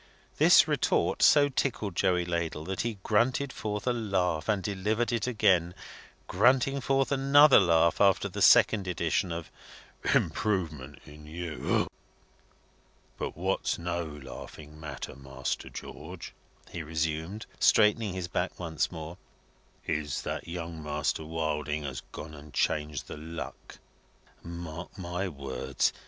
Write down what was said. The retort so tickled Joey Ladle that he grunted forth a laugh and delivered it again, grunting forth another laugh after the second edition of "improvement in you." "But what's no laughing matter, Master George," he resumed, straightening his back once more, "is, that young Master Wilding has gone and changed the luck. Mark my words.